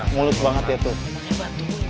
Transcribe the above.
mulut banget ya tuh